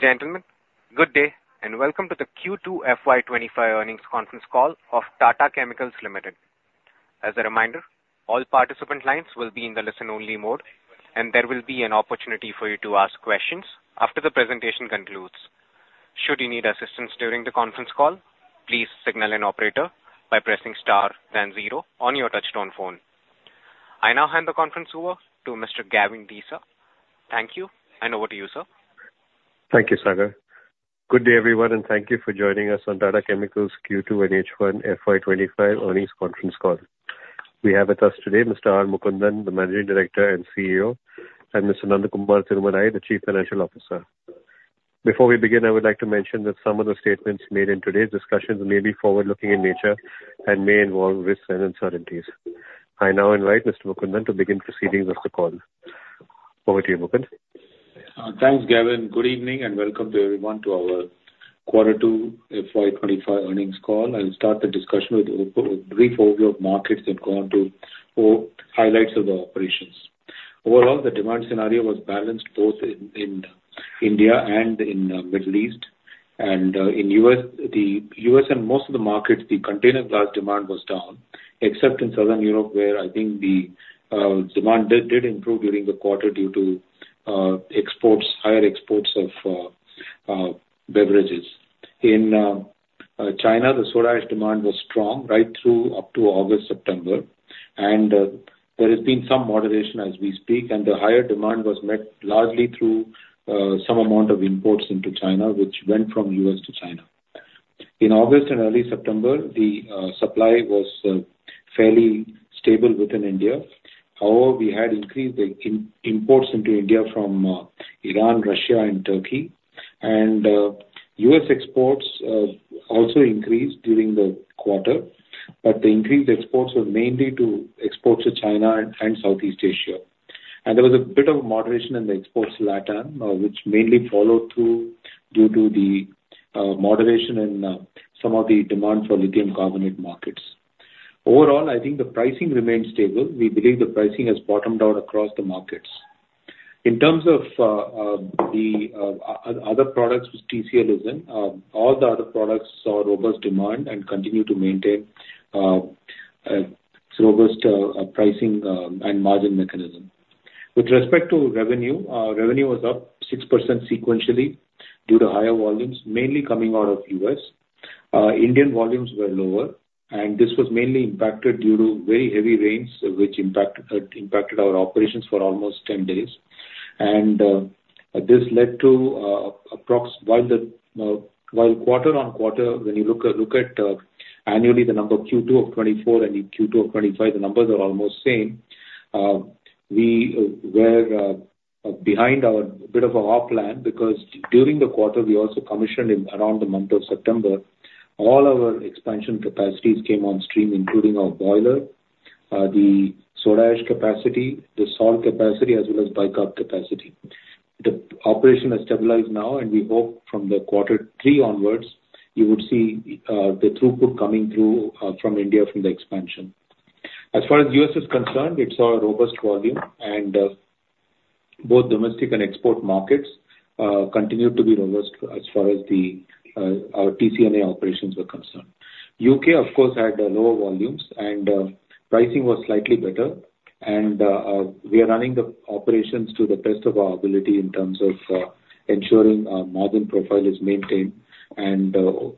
Gentlemen, good day, and welcome to the Q2 FY 2025 Earnings Conference Call of Tata Chemicals Limited. As a reminder, all participant lines will be in the listen-only mode, and there will be an opportunity for you to ask questions after the presentation concludes. Should you need assistance during the conference call, please signal an operator by pressing star then zero on your touchtone phone. I now hand the conference over to Mr. Gavin Desa. Thank you, and over to you, sir. Thank you, Sagar. Good day, everyone, and thank you for joining us on Tata Chemicals Q2 and H1 FY '25 earnings conference call. We have with us today Mr. R. Mukundan, the Managing Director and CEO, and Mr. Nandakumar Tirumalai, the Chief Financial Officer. Before we begin, I would like to mention that some of the statements made in today's discussions may be forward-looking in nature and may involve risks and uncertainties. I now invite Mr. Mukundan to begin proceedings of the call. Over to you, Mukundan. Thanks, Gavin. Good evening, and welcome to everyone to our Quarter Two FY 2025 Earnings Call. I'll start the discussion with a brief overview of markets and go on to highlights of the operations. Overall, the demand scenario was balanced both in India and in Middle East. In the U.S. and most of the markets, the container glass demand was down, except in Southern Europe, where I think the demand did improve during the quarter due to higher exports of beverages. In China, the soda ash demand was strong right through up to August, September, and there has been some moderation as we speak, and the higher demand was met largely through some amount of imports into China, which went from the U.S. to China. In August and early September, the supply was fairly stable within India. However, we had increased the imports into India from Iran, Russia and Turkey, and U.S. exports also increased during the quarter, but the increased exports were mainly exports to China and Southeast Asia, and there was a bit of a moderation in the exports to LATAM, which mainly followed through due to the moderation in some of the demand for lithium carbonate markets. Overall, I think the pricing remains stable. We believe the pricing has bottomed out across the markets. In terms of the other products which TCL is in, all the other products saw robust demand and continue to maintain robust pricing and margin mechanism. With respect to revenue, our revenue was up 6% sequentially due to higher volumes, mainly coming out of U.S. Indian volumes were lower, and this was mainly impacted due to very heavy rains, which impacted our operations for almost 10 days. And this led to approx while quarter on quarter, when you look at annually, the number Q2 of 2024 and Q2 of 2025, the numbers are almost same. We were behind our plan a bit, because during the quarter, we also commissioned in around the month of September, all our expansion capacities came on stream, including our boiler, the soda ash capacity, the salt capacity, as well as bicarb capacity. The operation has stabilized now, and we hope from the quarter three onwards, you would see the throughput coming through from India from the expansion. As far as U.S. is concerned, it saw a robust volume, and both domestic and export markets continued to be robust as far as our TCNA operations were concerned. U.K., of course, had lower volumes, and pricing was slightly better. We are running the operations to the best of our ability in terms of ensuring our margin profile is maintained. The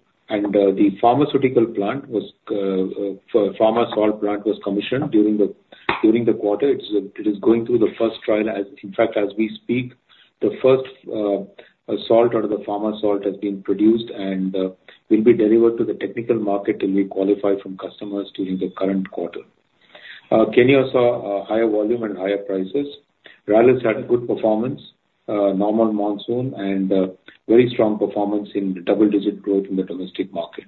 pharmaceutical salt plant was commissioned during the quarter. It is going through the first trial. Matter of fact, as we speak, the first salt out of the pharma salt has been produced and will be delivered to the technical market when we qualify from customers during the current quarter. Kenya saw a higher volume and higher prices. Rallis had good performance, normal monsoon and very strong performance in the double-digit growth in the domestic market.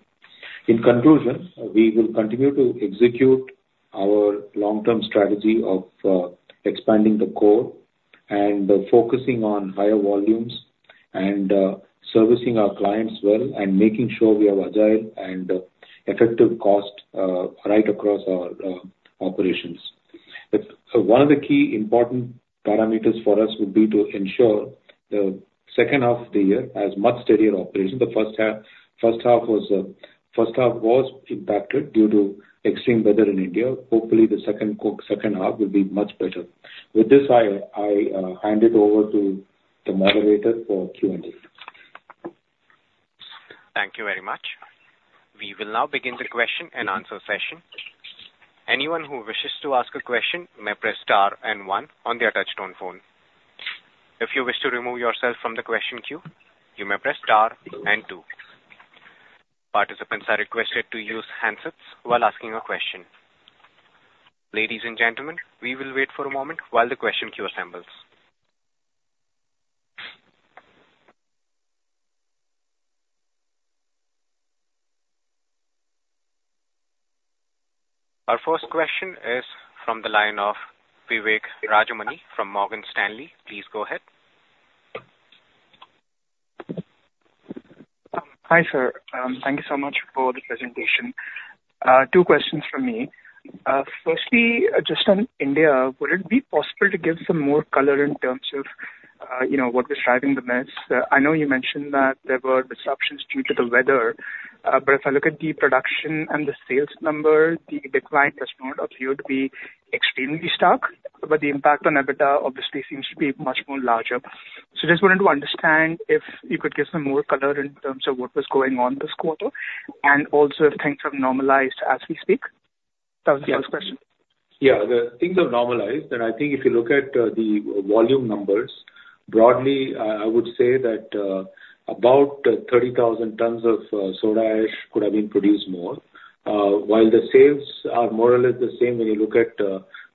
In conclusion, we will continue to execute our long-term strategy of expanding the core and focusing on higher volumes and servicing our clients well and making sure we are agile and effective cost right across our operations. But one of the key important parameters for us would be to ensure the second half of the year has much steadier operation. The first half was impacted due to extreme weather in India. Hopefully, the second half will be much better. With this, I hand it over to the moderator for Q&A. Thank you very much. We will now begin the question and answer session. Anyone who wishes to ask a question may press star and one on their touchtone phone. If you wish to remove yourself from the question queue, you may press star and two. Participants are requested to use handsets while asking a question. Ladies and gentlemen, we will wait for a moment while the question queue assembles. Our first question is from the line of Vivek Rajamani from Morgan Stanley. Please go ahead. Hi, sir. Thank you so much for the presentation. Two questions from me. Firstly, just on India, would it be possible to give some more color in terms of, you know, what was driving the miss? I know you mentioned that there were disruptions due to the weather, but if I look at the production and the sales number, the decline does not appear to be extremely steep, but the impact on EBITDA obviously seems to be much larger. So just wanted to understand if you could give some more color in terms of what was going on this quarter, and also if things have normalized as we speak. That was the first question. Yeah, the things have normalized, and I think if you look at the volume numbers, broadly, I would say that about 30,000 tons of soda ash could have been produced more. While the sales are more or less the same when you look at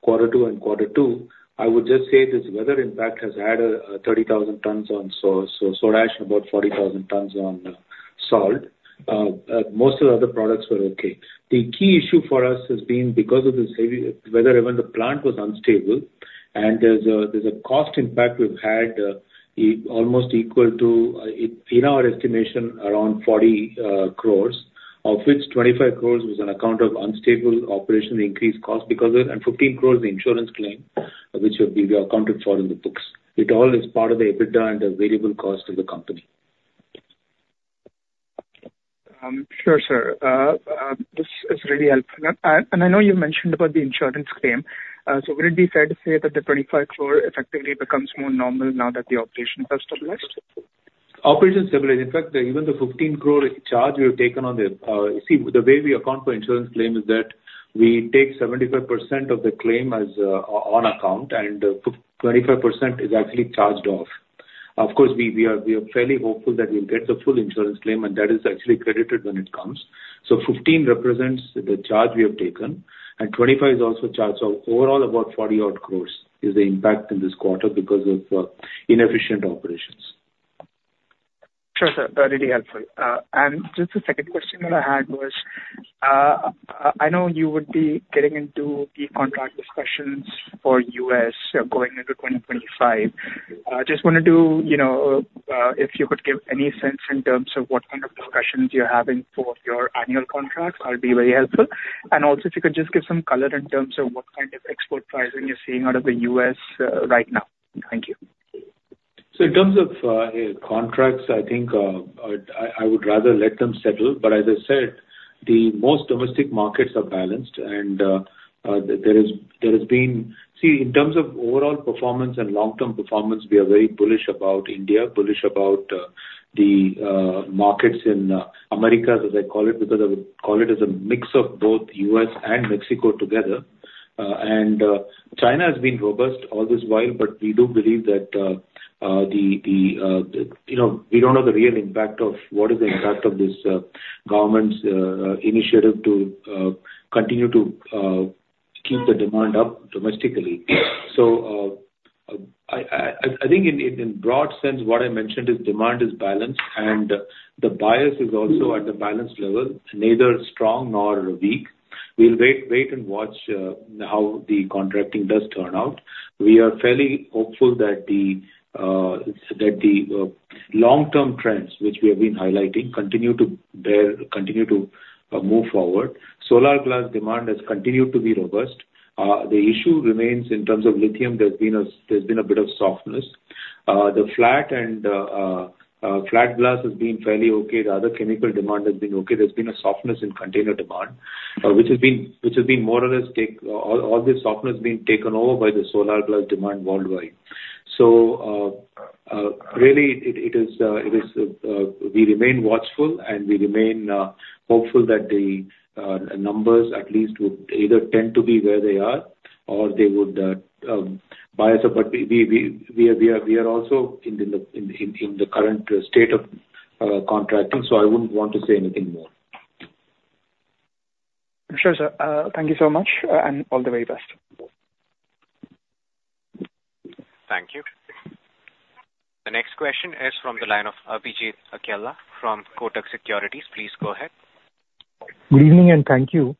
quarter two and quarter two, I would just say this weather impact has added 30,000 tons on soda ash, about 40,000 tons on salt. Most of the other products were okay. The key issue for us has been because of this heavy weather, even the plant was unstable, and there's a cost impact we've had, almost equal to, in our estimation, around 40 crores, of which 25 crores was on account of unstable operation increased cost because of. And 15 crores, the insurance claim, which will be accounted for in the books. It all is part of the EBITDA and the variable cost of the company. Sure, sir. This is really helpful, and I know you mentioned about the insurance claim, so would it be fair to say that the 25 crore effectively becomes more normal now that the operations have stabilized? Operations stabilized. In fact, even the 15 crore charge we have taken on the. See, the way we account for insurance claim is that we take 75% of the claim as on account, and 25% is actually charged off. Of course, we are fairly hopeful that we'll get the full insurance claim, and that is actually credited when it comes. So 15 represents the charge we have taken, and 25 is also charged off. Overall, about 40-odd crores is the impact in this quarter because of inefficient operations. Sure, sir. Really helpful. And just the second question that I had was, I know you would be getting into the contract discussions for U.S. going into 2025. Just wanted to, you know, if you could give any sense in terms of what kind of discussions you're having for your annual contracts, that'd be very helpful. And also, if you could just give some color in terms of what kind of export pricing you're seeing out of the U.S., right now. Thank you. So in terms of contracts, I think I would rather let them settle, but as I said, the most domestic markets are balanced and there has been. See, in terms of overall performance and long-term performance, we are very bullish about India, bullish about the markets in Americas, as I call it, because I would call it as a mix of both U.S. and Mexico together. And China has been robust all this while, but we do believe that the you know, we don't know the real impact of what is the impact of this government's initiative to continue to keep the demand up domestically. I think in broad sense, what I mentioned is demand is balanced, and the bias is also at the balanced level, neither strong nor weak. We'll wait and watch how the contracting does turn out. We are fairly hopeful that the long-term trends which we have been highlighting continue to move forward. Solar glass demand has continued to be robust. The issue remains in terms of lithium. There's been a bit of softness. The flat glass has been fairly okay. The other chemical demand has been okay. There's been a softness in container demand, which has been more or less taken. All this softness being taken over by the solar glass demand worldwide. So, really, it is. We remain watchful, and we remain hopeful that the numbers at least would either tend to be where they are or they would bias. But we are also in the current state of contracting, so I wouldn't want to say anything more. Sure, sir. Thank you so much, and all the very best. Thank you. The next question is from the line of Abhijit Akella from Kotak Securities. Please go ahead. Good evening, and thank you.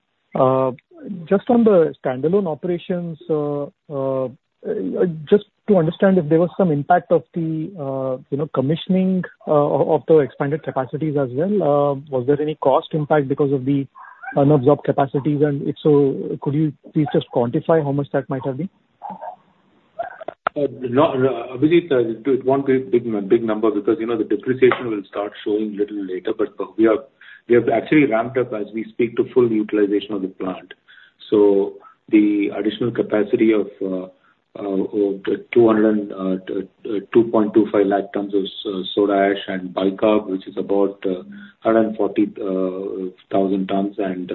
Just on the standalone operations, just to understand if there was some impact of the, you know, commissioning of the expanded capacities as well, was there any cost impact because of the unabsorbed capacities? And if so, could you please just quantify how much that might have been? No, Abhijit, it won't be big number because, you know, the depreciation will start showing little later, but we have actually ramped up as we speak, to full utilization of the plant. So the additional capacity of two point two five lakh tons of soda ash and bicarb, which is about 140,000 tons and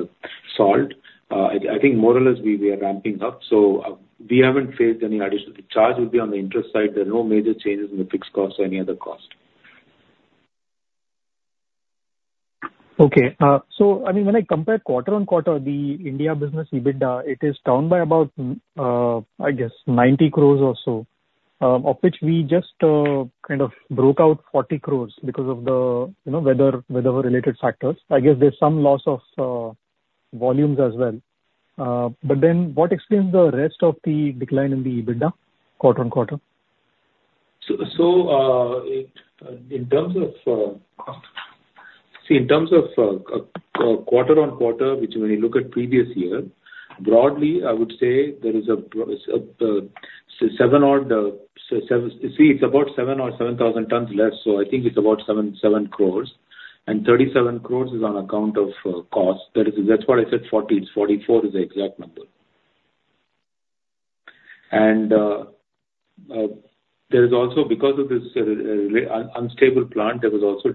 salt. I think more or less we are ramping up, so we haven't faced any additional. The charge will be on the interest side. There are no major changes in the fixed cost or any other cost. Okay, so I mean, when I compare quarter on quarter, the India business EBITDA, it is down by about, I guess 90 crore or so, of which we just, kind of broke out 40 crore because of the, you know, weather-related factors. I guess there's some loss of volumes as well. But then what explains the rest of the decline in the EBITDA quarter on quarter? In terms of quarter on quarter, which when you look at previous year, broadly, I would say there is a 7,000 tons less, so I think it's about 7 crores, and 37 crores is on account of cost. That is, that's why I said 40 crores, 44 crores is the exact number. And there is also because of this unstable plant, there was also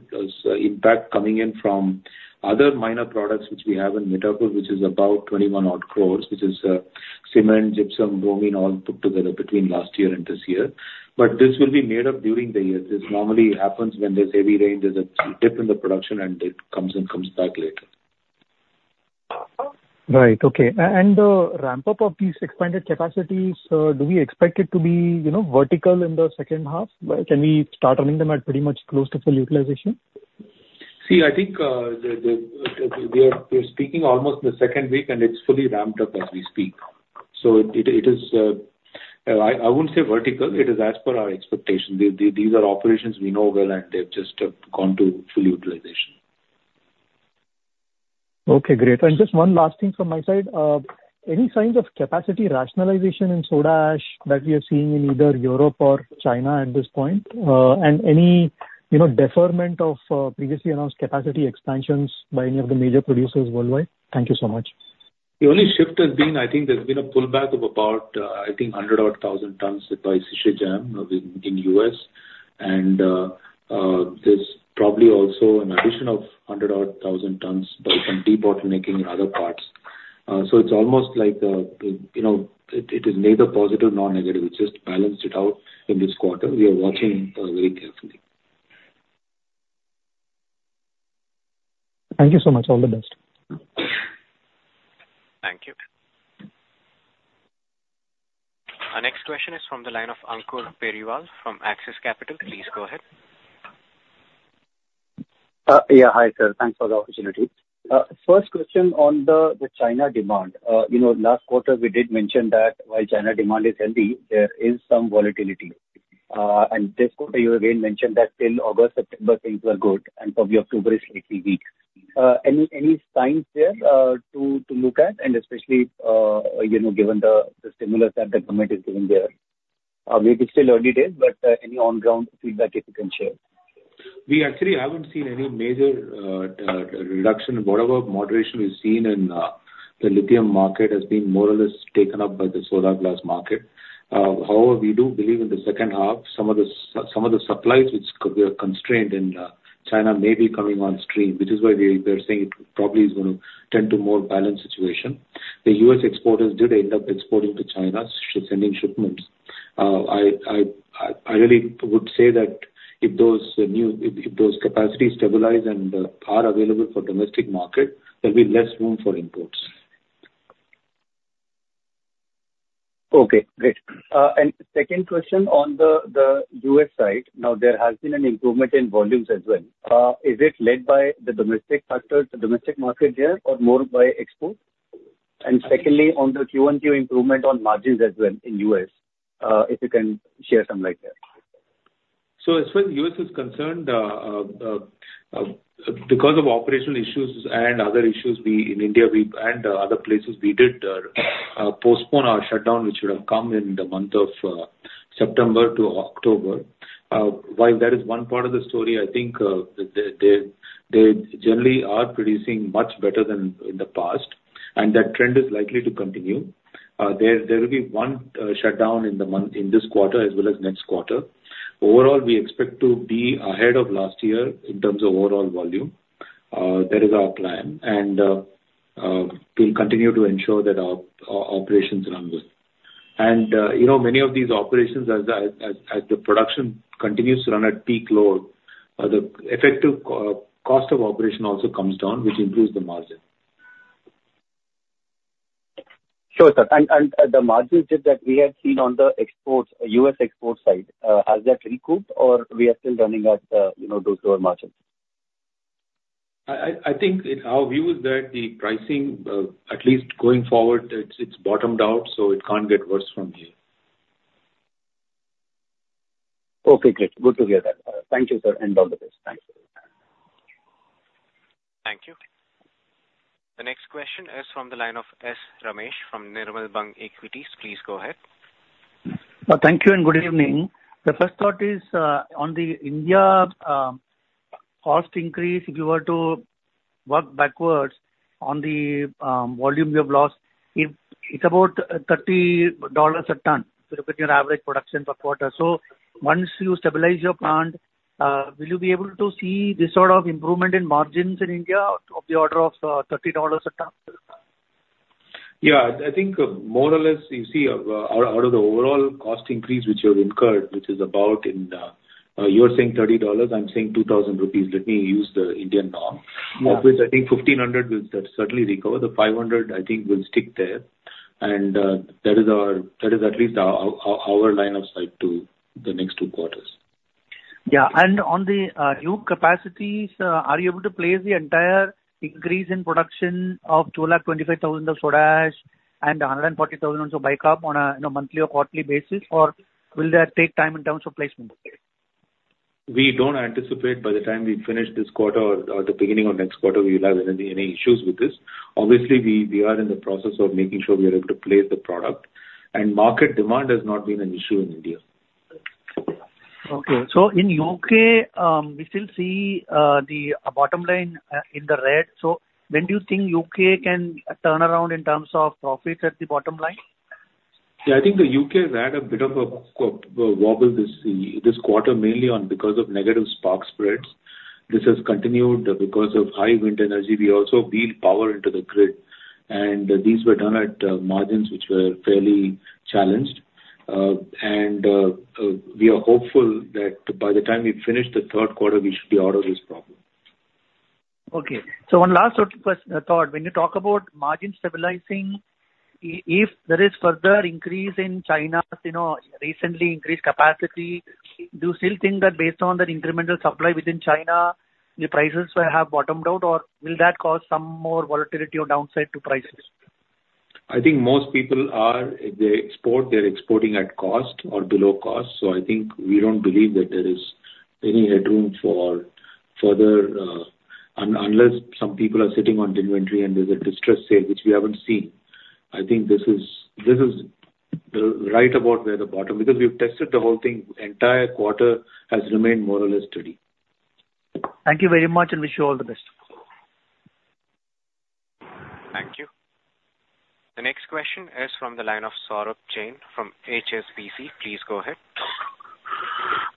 impact coming in from other minor products which we have in Mithapur, which is about 21 odd crores, which is cement, gypsum, bromine, all put together between last year and this year. But this will be made up during the year. This normally happens when there's heavy rain. There's a dip in the production and it comes back later. Right. Okay. And ramp-up of these expanded capacities, do we expect it to be, you know, vertical in the second half? Can we start running them at pretty much close to full utilization? See, I think, we are, we're speaking almost the second week, and it's fully ramped up as we speak. So it is, I wouldn't say vertical, it is as per our expectation. These are operations we know well, and they've just gone to full utilization. Okay, great. And just one last thing from my side. Any signs of capacity rationalization in soda ash that we are seeing in either Europe or China at this point? And any, you know, deferment of previously announced capacity expansions by any of the major producers worldwide? Thank you so much. The only shift has been. I think there's been a pullback of about, I think, hundred odd thousand tons by Şişecam in the U.S. And there's probably also an addition of hundred odd thousand tons by some debottlenecking in other parts. So it's almost like, you know, it is neither positive nor negative. It's just balanced it out in this quarter. We are watching very carefully. Thank you so much. All the best. Thank you. Our next question is from the line of Ankur Periwal from Axis Capital. Please go ahead. Yeah, hi, sir. Thanks for the opportunity. First question on the China demand. You know, last quarter, we did mention that while China demand is healthy, there is some volatility. And this quarter, you again mentioned that till August, September, things were good, and probably October is slightly weak. Any signs there to look at? And especially, you know, given the stimulus that the government has given there. It is still early days, but any on-ground feedback, if you can share. We actually haven't seen any major reduction. Whatever moderation we've seen in the lithium market has been more or less taken up by the solar glass market. However, we do believe in the second half, some of the supplies which were constrained in China may be coming on stream, which is why we are saying it probably is going to tend to more balanced situation. The U.S. exporters did end up exporting to China, sending shipments. I really would say that if those new capacities stabilize and are available for domestic market, there'll be less room for imports. Okay, great. And second question on the U.S. side. Now, there has been an improvement in volumes as well. Is it led by the domestic factors, the domestic market there, or more by export? And secondly, on the QoQ improvement on margins as well in U.S., if you can shed some light there. So as far as U.S. is concerned, because of operational issues and other issues, we in India and other places did postpone our shutdown, which would have come in the month of September to October. While that is one part of the story, I think they generally are producing much better than in the past, and that trend is likely to continue. There will be one shutdown in the month in this quarter as well as next quarter. Overall, we expect to be ahead of last year in terms of overall volume. That is our plan, and we'll continue to ensure that our operations run well. You know, many of these operations, as the production continues to run at peak load, the effective cost of operation also comes down, which improves the margin. Sure, sir. And, the margins that we have seen on the exports, U.S. export side, has that recouped or we are still running at, you know, those lower margins? I think our view is that the pricing, at least going forward, it's bottomed out, so it can't get worse from here. Okay, great. Good to hear that. Thank you, sir, and all the best. Thanks. Thank you. The next question is from the line of S. Ramesh, from Nirmal Bang Equities. Please go ahead. Thank you and good evening. The first thought is on the India cost increase, if you were to work backwards on the volume you have lost, it's about $30 a ton to look at your average production per quarter. So once you stabilize your plant, will you be able to see this sort of improvement in margins in India of the order of $30 a ton? Yeah. I think more or less, you see, out of the overall cost increase, which you have incurred, which is about, you're saying $30, I'm saying 2,000 rupees. Let me use the Indian norm. Yeah. Of which I think 1,500 will certainly recover. The 500, I think will stick there, and that is at least our line of sight to the next two quarters. Yeah, and on the new capacities, are you able to place the entire increase in production of 2.25 lakh of soda ash and a hundred and forty thousand of bicarb on a monthly or quarterly basis? Or will that take time in terms of placement? We don't anticipate by the time we finish this quarter or the beginning of next quarter, we will have any issues with this. Obviously, we are in the process of making sure we are able to place the product, and market demand has not been an issue in India. Okay. So in U.K., we still see the bottom line in the red. So when do you think U.K. can turn around in terms of profits at the bottom line? Yeah, I think the U.K. has had a bit of a wobble this quarter, mainly on because of negative spark spreads. This has continued because of high wind energy. We also wheel power into the grid, and these were done at margins which were fairly challenged. And we are hopeful that by the time we finish the third quarter, we should be out of this problem. Okay. So one last sort of thought. When you talk about margin stabilizing, if there is further increase in China, you know, recently increased capacity, do you still think that based on that incremental supply within China, the prices will have bottomed out, or will that cause some more volatility or downside to prices? I think most people are. They export, they're exporting at cost or below cost. So I think we don't believe that there is any headroom for further unless some people are sitting on inventory and there's a distressed sale, which we haven't seen. I think this is right about where the bottom, because we've tested the whole thing. Entire quarter has remained more or less steady. Thank you very much, and wish you all the best. Thank you. The next question is from the line of Saurabh Jain from HSBC. Please go ahead.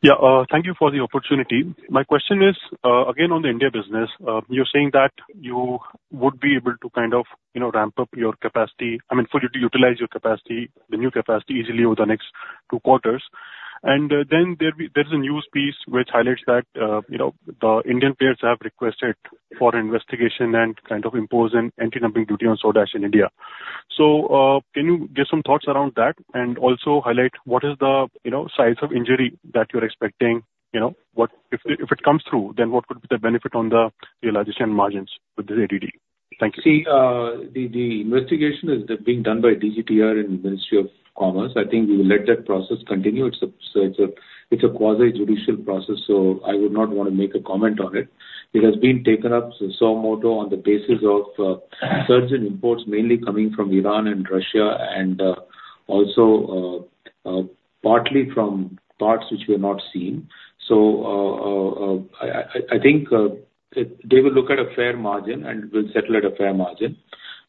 Yeah, thank you for the opportunity. My question is, again, on the India business. You're saying that you would be able to kind of, you know, ramp up your capacity, I mean, fully utilize your capacity, the new capacity, easily over the next two quarters. And then there's a news piece which highlights that, you know, the Indian peers have requested for investigation and kind of imposing anti-dumping duty on soda ash in India. So, can you give some thoughts around that? And also highlight what is the, you know, size of injury that you're expecting, you know, what... If it comes through, then what could be the benefit on the realization margins with the ADD? Thank you. See, the investigation is being done by DGTR and the Ministry of Commerce. I think we will let that process continue. It's a quasi-judicial process, so I would not want to make a comment on it. It has been taken up suo moto on the basis of certain imports mainly coming from Iran and Russia and also partly from parts which we have not seen. So, I think they will look at a fair margin, and we'll settle at a fair margin.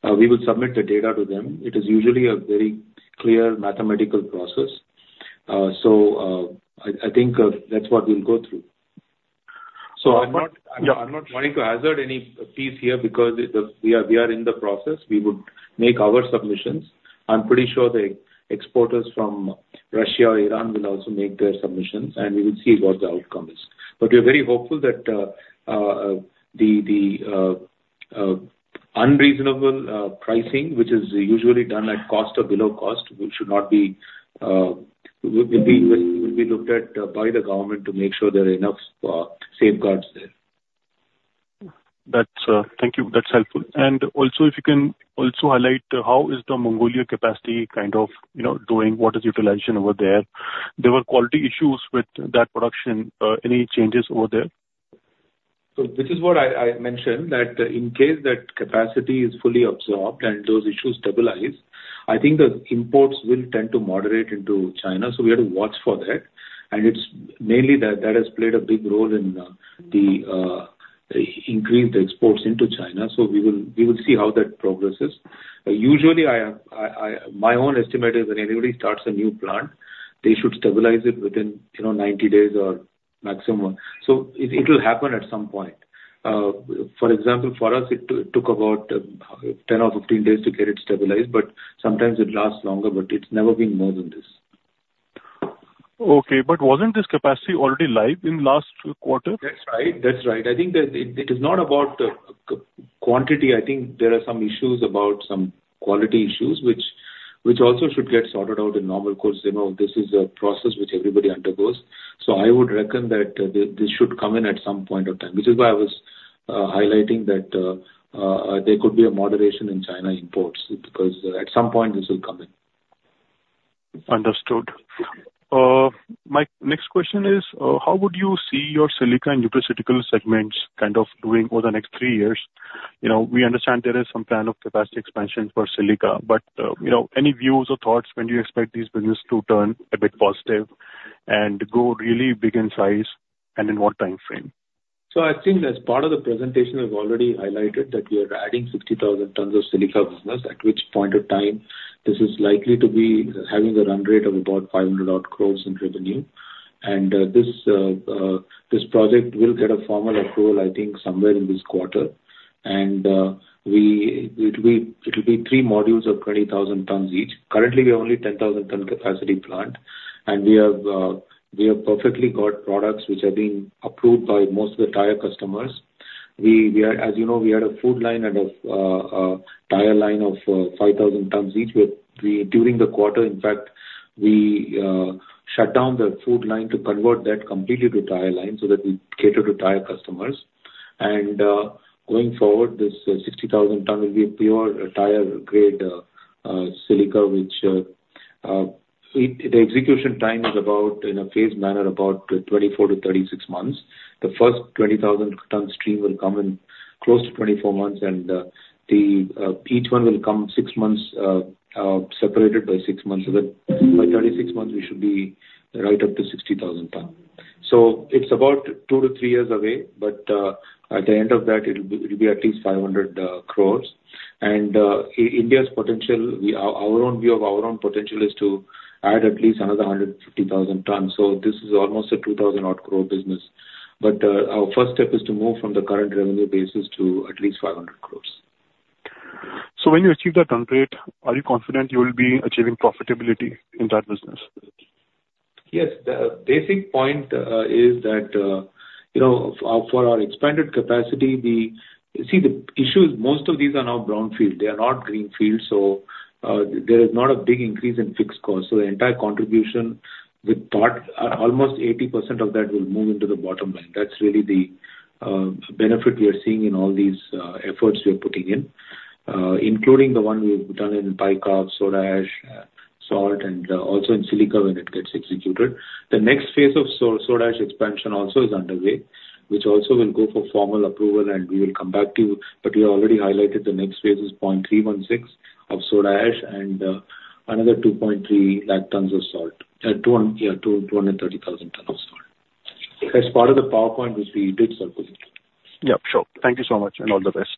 We will submit the data to them. It is usually a very clear mathematical process. I think that's what we'll go through. Yeah. So I'm not wanting to hazard any piece here, because we are in the process. We would make our submissions. I'm pretty sure the exporters from Russia or Iran will also make their submissions, and we will see what the outcome is. But we are very hopeful that the unreasonable pricing, which is usually done at cost or below cost, which should not be, will be looked at by the government to make sure there are enough safeguards there. That's. Thank you. That's helpful. And also, if you can also highlight how is the Mongolia capacity kind of, you know, doing? What is the utilization over there? There were quality issues with that production. Any changes over there? So this is what I mentioned, that in case that capacity is fully absorbed and those issues stabilize, I think the imports will tend to moderate into China, so we have to watch for that. And it's mainly that that has played a big role in the increase the exports into China. So we will see how that progresses. Usually, my own estimate is when anybody starts a new plant, they should stabilize it within, you know, ninety days or maximum. So it will happen at some point. For example, for us, it took about 10 or 15 days to get it stabilized, but sometimes it lasts longer, but it's never been more than this. Okay, but wasn't this capacity already live in last quarter? That's right. That's right. I think that it is not about quantity. I think there are some issues about some quality issues which also should get sorted out in normal course. You know, this is a process which everybody undergoes. So I would reckon that this should come in at some point of time. Which is why I was highlighting that there could be a moderation in China imports, because at some point, this will come in. Understood. My next question is, how would you see your Silica and Nutraceutical segments kind of doing over the next three years? You know, we understand there is some plan of capacity expansion for Silica, but, you know, any views or thoughts when do you expect this business to turn a bit positive and go really big in size, and in what timeframe? I think as part of the presentation, I've already highlighted that we are adding 60,000 tons of Silica business, at which point of time this is likely to be having a run rate of about 500-odd crore in revenue. And this project will get a formal approval, I think, somewhere in this quarter. And it will be three modules of 20,000 tons each. Currently, we have only 10,000 ton capacity plant, and we have perfectly got products which are being approved by most of the tire customers. We are, as you know, we had a food line and a tire line of 5,000 tons each, where we, during the quarter, in fact, we shut down the food line to convert that completely to tire line so that we cater to tire customers. Going forward, this 60,000 ton will be a pure tire grade Silica, which the execution time is about in a phased manner, about 24-36 months. The first 20,000 ton stream will come in close to 24 months, and each one will come six months separated by six months, so that by 36 months, we should be right up to 60,000 ton. It's about two to three years away, but at the end of that, it'll be at least 500 crores. India's potential, our own view of our own potential is to add at least another 150,000 tons. So this is almost a 2,000 odd crore business. But our first step is to move from the current revenue basis to at least 500 crores. When you achieve that ton rate, are you confident you will be achieving profitability in that business? Yes. The basic point is that, you know, for our expanded capacity, see, the issue is most of these are now brownfield, they are not greenfield, so there is not a big increase in fixed costs. So the entire contribution with part, almost 80% of that will move into the bottom line. That's really the benefit we are seeing in all these efforts we are putting in, including the one we've done in kaolin, soda ash, salt, and also in Silica when it gets executed. The next phase of soda ash expansion also is underway, which also will go for formal approval, and we will come back to you. But we already highlighted the next phase is 0.316 of soda ash and another 2.3 lakh tons of salt. Two hundred and thirty thousand tons of salt. That's part of the PowerPoint which we did circulate. Yeah, sure. Thank you so much and all the best.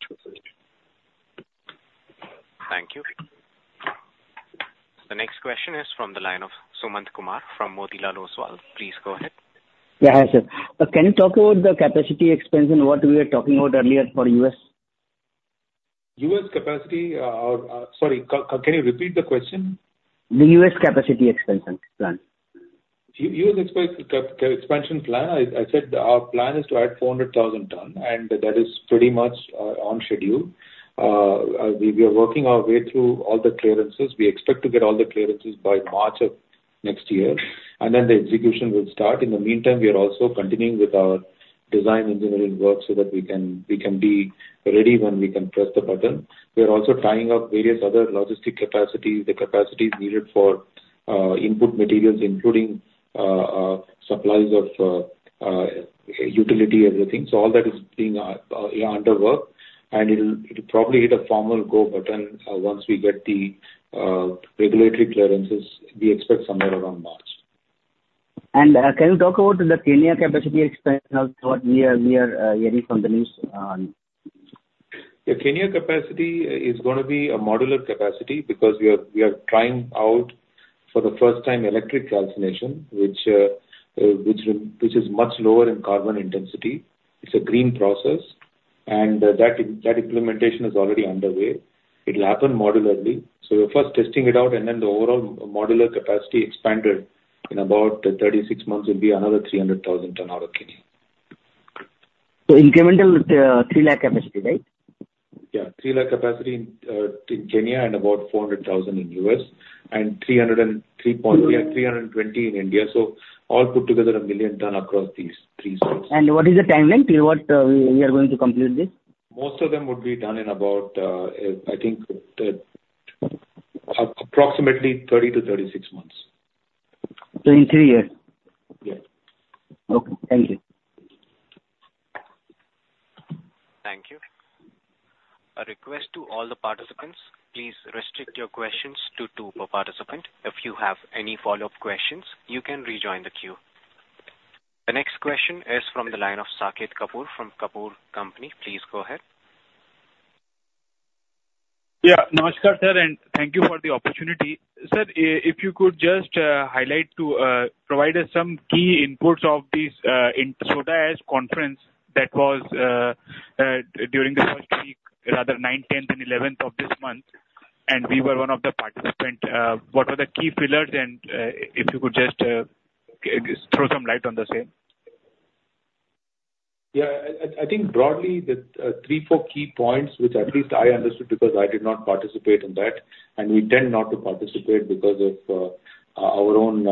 Thank you. The next question is from the line of Sumant Kumar from Motilal Oswal. Please go ahead. Yeah, hi, sir. Can you talk about the capacity expansion, what we were talking about earlier for U.S.? US capacity. Sorry, can you repeat the question? The U.S. capacity expansion plan. U.S. capacity expansion plan, I said our plan is to add 400,000 tons, and that is pretty much on schedule. We are working our way through all the clearances. We expect to get all the clearances by March of next year, and then the execution will start. In the meantime, we are also continuing with our design engineering work so that we can be ready when we can press the button. We are also trying out various other logistic capacities, the capacities needed for input materials, including supplies of utility, everything. So all that is being under work, and it'll probably hit a formal go button once we get the regulatory clearances, we expect somewhere around March. Can you talk about the Kenya capacity expansion, what we are hearing from the news? The Kenya capacity is gonna be a modular capacity because we are trying out for the first time electric calcination, which is much lower in carbon intensity. It's a green process, and that implementation is already underway. It'll happen modularly. So we're first testing it out, and then the overall modular capacity expanded in about 36 months will be another 300,000 tons out of Kenya. Incremental, three lakh capacity, right? Three lakh capacity in Kenya, and about 400,000 in U.S., and 320 in India. So all put together 1,000,000 ton across these three states. What is the timeline to what we are going to complete this? Most of them would be done in about, I think, approximately 30 to 36 months. Three years? Yeah. Okay. Thank you. Thank you. A request to all the participants, please restrict your questions to two per participant. If you have any follow-up questions, you can rejoin the queue. The next question is from the line of Saket Kapoor from Kapoor & Company. Please go ahead. Yeah. Namaskar, sir, and thank you for the opportunity. Sir, if you could just highlight to provide us some key inputs of this international soda ash conference that was during the first week or rather the ninth, 10th, and 11th of this month, and we were one of the participants. What were the key pillars and if you could just throw some light on the same? Yeah, I think broadly the three, four key points, which at least I understood because I did not participate in that, and we tend not to participate because of our own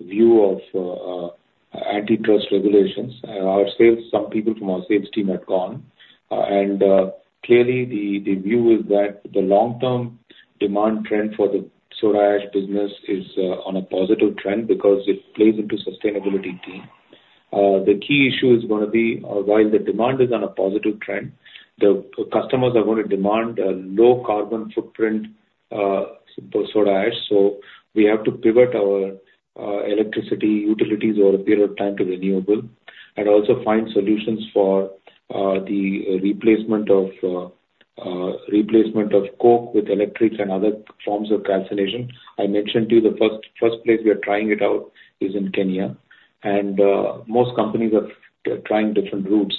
view of antitrust regulations. Our sales, some people from our sales team had gone. Clearly the view is that the long-term demand trend for the soda ash business is on a positive trend because it plays into sustainability theme. The key issue is gonna be, while the demand is on a positive trend, the customers are gonna demand a low carbon footprint for soda ash. So we have to pivot our electricity utilities over a period of time to renewable, and also find solutions for the replacement of coke with electrics and other forms of calcination. I mentioned to you the first place we are trying it out is in Kenya, and most companies are trying different routes.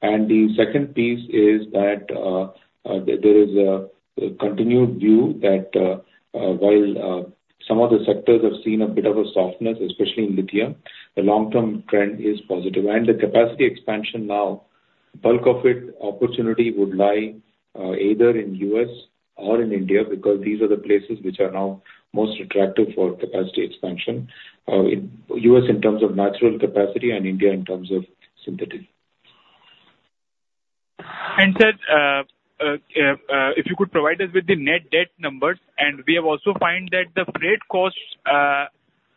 And the second piece is that there is a continued view that while some of the sectors have seen a bit of a softness, especially in lithium. The long-term trend is positive, and the capacity expansion now, bulk of it, opportunity would lie either in U.S. or in India, because these are the places which are now most attractive for capacity expansion. In U.S. in terms of natural capacity and India in terms of synthetic. Sir, if you could provide us with the net debt numbers, and we have also find that the freight costs are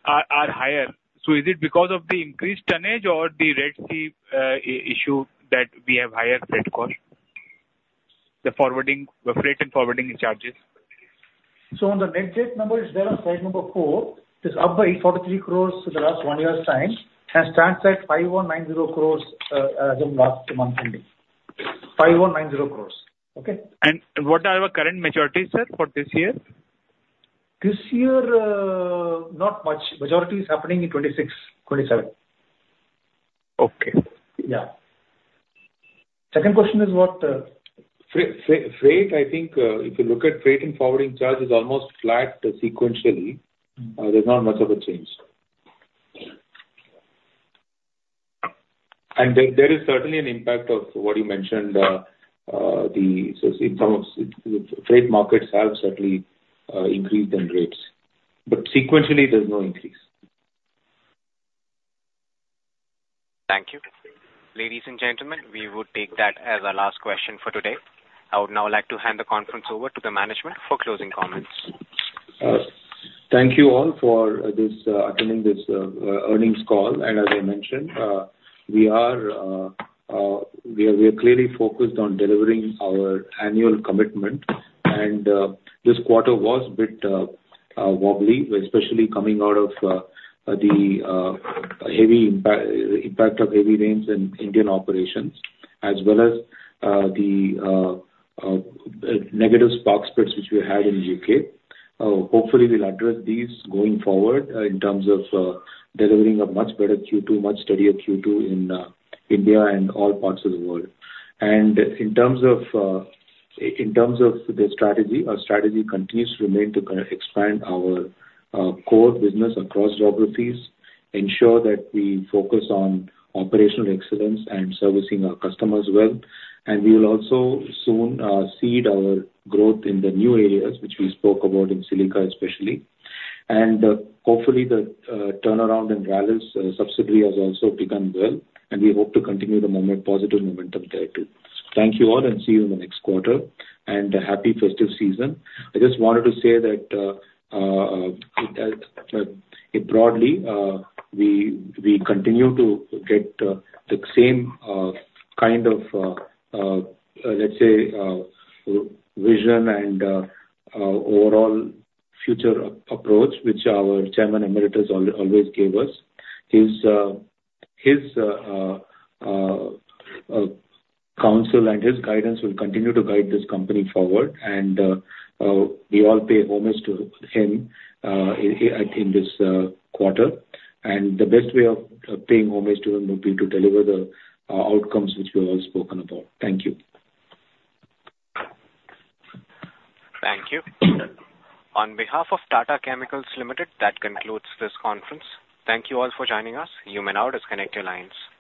higher. So is it because of the increased tonnage or the Red Sea issue that we have higher freight cost? The forwarding, the freight and forwarding charges. On the net debt number, it's there on slide number four. It's up by 43 crores in the last one year time, and stands at 5190 crores, as of last month ending. 5190 crores. Okay? What are our current maturities, sir, for this year? This year, not much. Majority is happening in 2026, 2027. Okay. Yeah. Second question is what? Freight, I think, if you look at freight and forwarding charges, is almost flat sequentially. Mm. There's not much of a change. And there is certainly an impact of what you mentioned, so some of the freight markets have certainly increased in rates. But sequentially, there's no increase. Thank you. Ladies and gentlemen, we would take that as our last question for today. I would now like to hand the conference over to the management for closing comments. Thank you all for attending this earnings call. And as I mentioned, we are clearly focused on delivering our annual commitment. And this quarter was a bit wobbly, especially coming out of the heavy impact of heavy rains in Indian operations, as well as the negative spark spreads which we had in U.K. Hopefully we'll address these going forward in terms of delivering a much better Q2, much steadier Q2 in India and all parts of the world. And in terms of the strategy, our strategy continues to remain to kind of expand our core business across geographies, ensure that we focus on operational excellence and servicing our customers well. We will also soon see our growth in the new areas, which we spoke about in Silica especially. Hopefully the turnaround in Rallis subsidiary has also begun well, and we hope to continue the positive momentum there, too. Thank you all, and see you in the next quarter, and happy festive season. I just wanted to say that broadly we continue to get the same kind of, let's say, vision and overall future approach, which our Chairman Emeritus always gave us. His counsel and his guidance will continue to guide this company forward. We all pay homage to him in this quarter. And the best way of paying homage to him will be to deliver the outcomes which we've all spoken about. Thank you. Thank you. On behalf of Tata Chemicals Limited, that concludes this conference. Thank you all for joining us. You may now disconnect your lines.